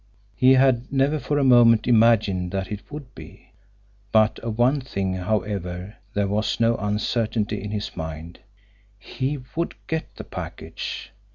He had never for a moment imagined that it would be. But of one thing, however, there was no uncertainty in his mind he would get the package!